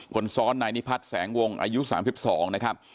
คนซ้อนนายนิพัฒน์แสงวงอายุ๓๒นะครับ